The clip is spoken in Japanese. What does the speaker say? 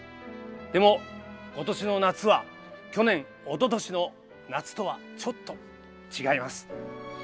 でも、今年の夏は去年、おととしの夏とはちょっと違います。